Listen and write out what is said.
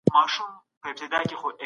هغه کولی شي نورو ته هم لارښوونه وکړي.